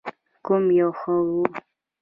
کوم یو ښه و؟